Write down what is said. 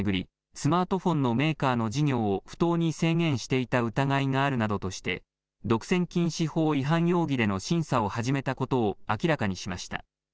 スマートフォンのメーカーの事業を不当に制限していた疑いがあるなどとして独占禁止法違反容疑での審査を始めたことを明らかにしました。